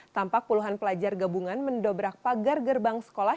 tampak puluhan pelajar gabungan mendobrak pagar gerbang sekolah